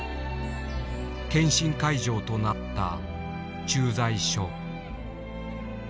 検診会場となった駐在所。